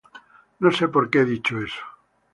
No sé por qué he dicho eso.